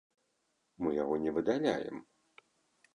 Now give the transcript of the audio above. Мы яго не выдаляем.